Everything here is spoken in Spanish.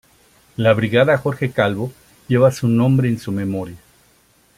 La Brigada Jorge Calvo lleva su nombre en su memoria.